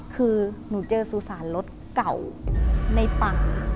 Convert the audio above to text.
คือหนูเจอสุสานรถเก่าในป่า